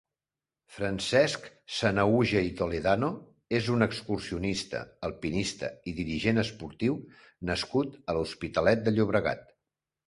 Francesc Sanahuja i Toledano és un excursionista, alpinista i dirigent esportiu nascut a l'Hospitalet de Llobregat.